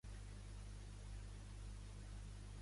Què va fer el pare d'Offa?